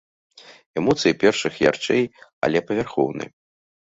Эмоцыі першых ярчэй, але павярхоўны.